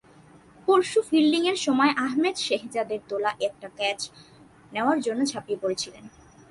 পরশু ফিল্ডিংয়ের সময় আহমেদ শেহজাদের তোলা একটা ক্যাচ নেওয়ার জন্য ঝাঁপিয়ে পড়েছিলেন।